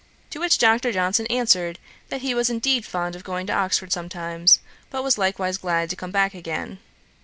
To which Johnson answered, that he was indeed fond of going to Oxford sometimes, but was likewise glad to come back again.